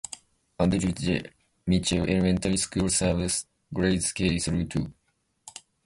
Andrew J. Mitchell Elementary School serves grades K through two.